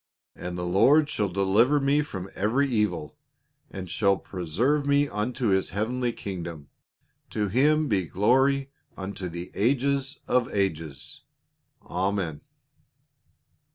" And the Lord shall deliver me from every evil, and shall preserve me unto his heavenly kingdom. To Him be glory unto the ages of ages. Amen."